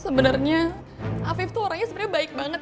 sebenarnya afif tuh orangnya sebenarnya baik banget